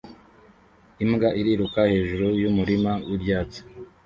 Imbwa iriruka hejuru yumurima wibyatsi